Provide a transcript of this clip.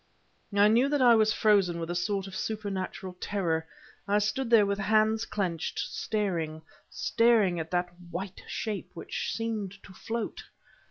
I knew that I was frozen with a sort of supernatural terror. I stood there with hands clenched, staring staring at that white shape, which seemed to float.